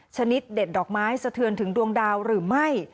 ชนิดเด็ดดอกไม้สะเทือนถึงดวงดาวหรือไม่